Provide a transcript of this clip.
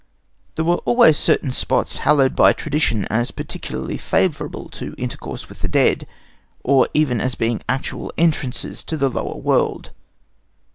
There were always certain spots hallowed by tradition as particularly favourable to intercourse with the dead, or even as being actual entrances to the lower world.